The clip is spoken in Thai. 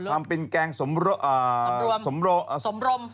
ทำเป็นแกงสมรม